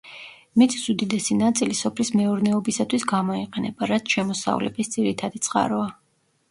მიწის უდიდესი ნაწილი სოფლის მეურნეობისათვის გამოიყენება, რაც შემოსავლების ძირითადი წყაროა.